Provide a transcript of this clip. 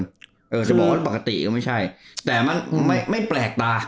จะบอกว่าปกติก็ไม่ใช่แต่มันไม่แปลกตา